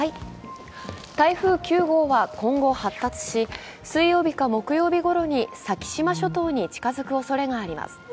台風９号は今後発達し、水曜日か木曜日ごろに先島諸島に近づくおそれがあります。